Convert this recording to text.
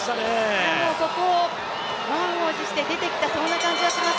ここ、満を持して出てきたそんな感じがします。